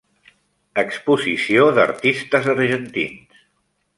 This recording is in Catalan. Exposició d'Artistes Argentins.